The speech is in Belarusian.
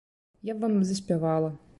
Я б вам заспявала!